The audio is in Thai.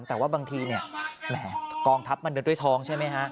แต่ว่าบางทีเนี่ยแหมกองทัพมันเดินด้วยทองใช่ไหมฮะ